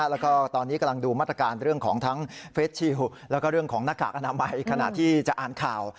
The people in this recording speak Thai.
แล้วก็ตอนนี้กำลังดูมาตรการเรื่องของทั้งเฟสชิลแล้วก็เรื่องของหน้ากากอนามัยขณะที่จะอ่านข่าว